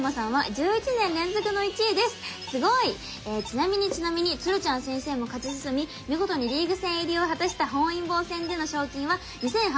ちなみにちなみに鶴ちゃん先生も勝ち進み見事にリーグ戦入りを果たした本因坊戦での賞金は２８００万円！